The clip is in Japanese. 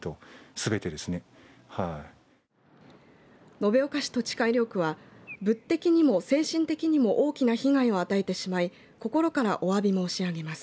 延岡市土地改良区は物的にも精神的にも大きな被害を与えてしまい心からおわび申し上げます。